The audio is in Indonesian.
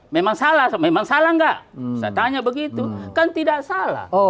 memang salah memang salah enggak saya tanya begitu kan tidak salah